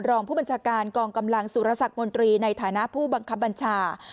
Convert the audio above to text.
รองผู้บัญชาการกองกำลังสุรสักมนตรีในฐานะผู้บังคับบัญชา